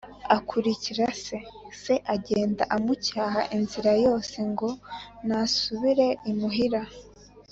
akurikira se, se agenda amucyaha inzira yose ngo nasubire imuhira;